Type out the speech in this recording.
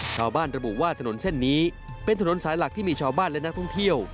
ระบุว่าถนนเส้นนี้เป็นถนนสายหลักที่มีชาวบ้านและนักท่องเที่ยว